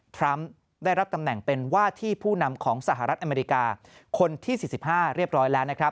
ทรัมป์ได้รับตำแหน่งเป็นว่าที่ผู้นำของสหรัฐอเมริกาคนที่๔๕เรียบร้อยแล้วนะครับ